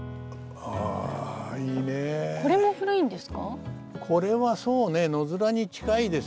これも古いんですか。